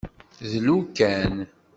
Dlu kan.